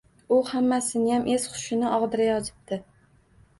U hammasiniyam es-hushini og‘dirayozibdi.